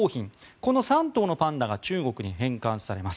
この３頭のパンダが中国に返還されます。